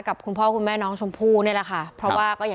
ค่ะรวบรวมไว้ให้เขาเลยค่ะ